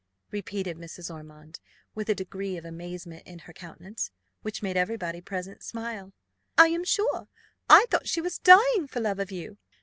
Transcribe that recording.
repeated Mrs. Ormond, with a degree of amazement in her countenance, which made every body present smile: "I am sure I thought she was dying for love of you."